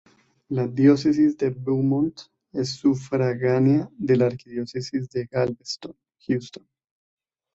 La Diócesis de Beaumont es sufragánea d la Arquidiócesis de Galveston-Houston.